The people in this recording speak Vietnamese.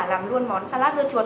làm luôn món salad dưa chuột